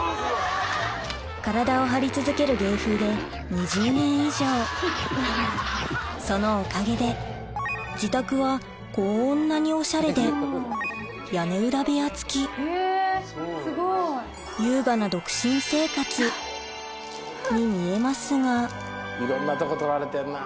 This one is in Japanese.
体を張り続ける芸風で２０年以上そのおかげで自宅はこんなにおしゃれで屋根裏部屋付きへぇすごい！に見えますがいろんなとこ撮られてんな。